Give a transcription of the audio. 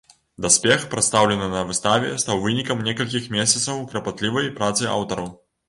Даспех, прадстаўлены на выставе стаў вынікам некалькіх месяцаў карпатлівай працы аўтараў.